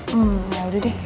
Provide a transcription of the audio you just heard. hmm yaudah deh